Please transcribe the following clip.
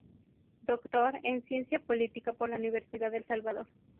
Dr. en Ciencia política por la Universidad del Salvador.